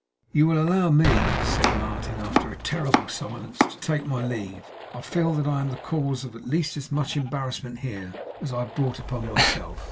'You will allow me,' said Martin, after a terrible silence, 'to take my leave. I feel that I am the cause of at least as much embarrassment here, as I have brought upon myself.